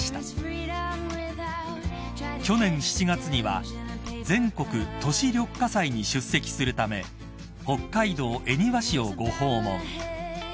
［去年７月には全国都市緑化祭に出席するため北海道恵庭市をご訪問］